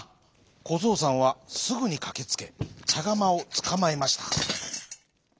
こぞうさんはすぐにかけつけちゃがまをつかまえました。